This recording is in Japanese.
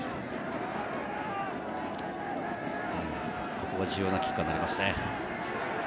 ここは重要なキッカーになりますね。